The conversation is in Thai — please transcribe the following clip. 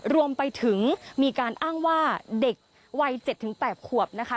รวมไปถึงมีการอ้างว่าเด็กวัย๗๘ขวบนะคะ